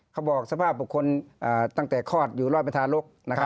เขาบอกสภาพบุคคลตั้งแต่คลอดอยู่รอดเป็นทารก